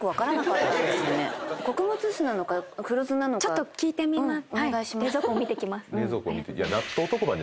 ちょっと聞いてみます。